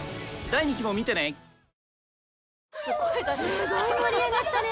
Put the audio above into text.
すごい盛り上がったね。